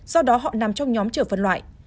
do đó họ nằm trong nhóm chờ phân loại